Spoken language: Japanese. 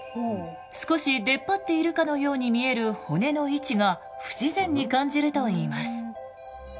少し出っ張っているかのように見える骨の位置が不自然に感じるといいます。